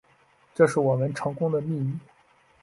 这是我们成功的秘密